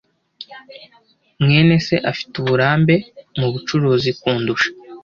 mwene se afite uburambe mubucuruzi kundusha.